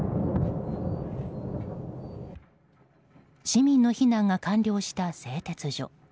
市民の避難が完了した製鉄所。